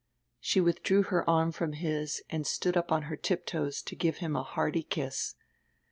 She withdrew her arm from his and stood up on her tip toes to give him a hearty kiss.